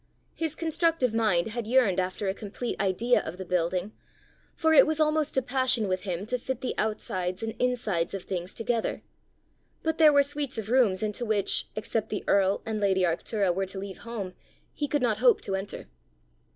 His constructive mind had yearned after a complete idea of the building, for it was almost a passion with him to fit the outsides and insides of things together; but there were suites of rooms into which, except the earl and lady Arctura were to leave home, he could not hope to enter.